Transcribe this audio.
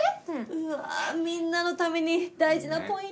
うわみんなのために大事なポイントを。